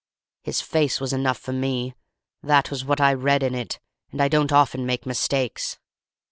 His face was enough for me; that was what I read in it, and I don't often make mistakes.